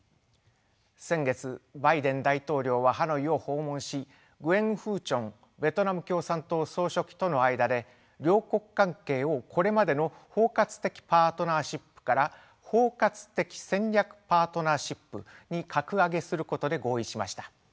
先月バイデン大統領はハノイを訪問しグエン・フー・チョンベトナム共産党総書記との間で両国関係をこれまでの包括的パートナーシップから包括的戦略パートナーシップに格上げすることで合意しました。